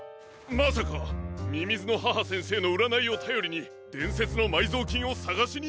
まさかみみずの母先生のうらないをたよりにでんせつのまいぞうきんをさがしに？